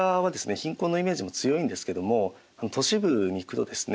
貧困のイメージも強いんですけども都市部に行くとですね